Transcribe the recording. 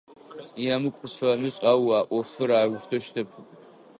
Емыкӏу къысфэмышӏ, ау а ӏофыр аущтэу щытэп.